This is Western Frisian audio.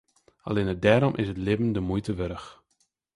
Allinne dêrom is it libben de muoite wurdich.